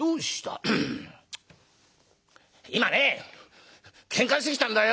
「今ねケンカしてきたんだよ」。